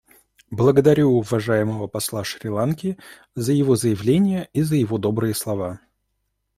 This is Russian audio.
Благодарю уважаемого посла Шри-Ланки за его заявление и за его добрые слова.